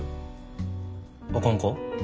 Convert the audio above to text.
あかんか？